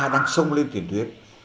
đang sông lên tiền tuyến